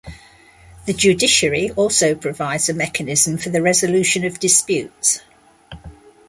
The judiciary also provides a mechanism for the resolution of disputes.